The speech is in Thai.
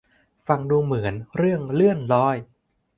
ฟังดูเหมือนเรื่องเลื่อนลอย